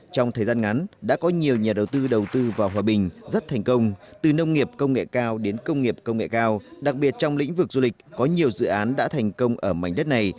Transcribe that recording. trong thời gian ngắn đã có nhiều nhà đầu tư đầu tư vào hòa bình rất thành công từ nông nghiệp công nghệ cao đến công nghiệp công nghệ cao đặc biệt trong lĩnh vực du lịch có nhiều dự án đã thành công ở mảnh đất này